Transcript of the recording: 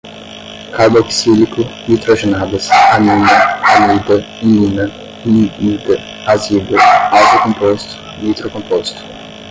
carboxílico, nitrogenadas, amina, amida, imina, imida, azida, azocomposto, nitrocomposto